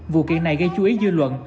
vụ kiện này gây chú ý dư luận